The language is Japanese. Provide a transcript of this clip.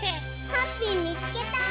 ハッピーみつけた！